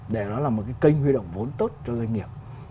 để nó là một cái kênh huy động vốn tốt cho doanh nghiệp